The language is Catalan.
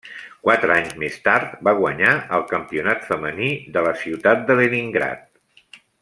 Quatre anys més tard va guanyar el Campionat femení de la ciutat de Leningrad.